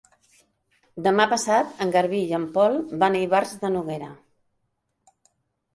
Demà passat en Garbí i en Pol van a Ivars de Noguera.